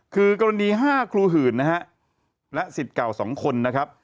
คือกรณี๕ครูหื่นนะฮะและสิทธิ์เก่า๒คนนะครับ